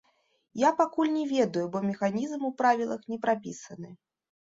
Я пакуль не ведаю, бо механізм у правілах не прапісаны.